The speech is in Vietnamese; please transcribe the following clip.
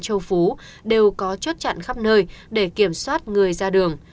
châu phú đều có chốt chặn khắp nơi để kiểm soát người ra đường